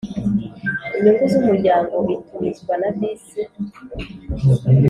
Inyungu z umuryango itumizwa na visi